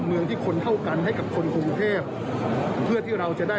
เมืองที่คนเท่ากันให้กับคนกรุงเทพเพื่อที่เราจะได้